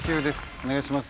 お願いします